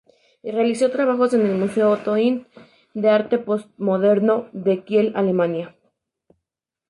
Realizó trabajos en el museo Otto Hind de arte posmoderno en Kiel, Alemania.